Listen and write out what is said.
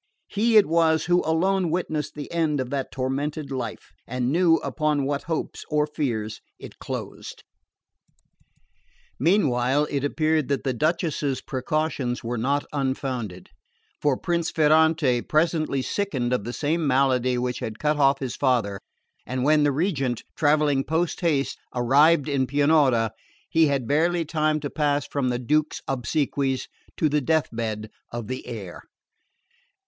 He it was who alone witnessed the end of that tormented life, and knew upon what hopes or fears it closed. Meanwhile it appeared that the Duchess's precautions were not unfounded; for Prince Ferrante presently sickened of the same malady which had cut off his father, and when the Regent, travelling post haste, arrived in Pianura, he had barely time to pass from the Duke's obsequies to the death bed of the heir.